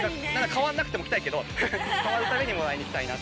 変わんなくても来たいけど変わるたびにもらいに来たいな。